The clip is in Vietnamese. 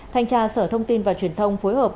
thanh tra sở thông tin và truyền thông phối hợp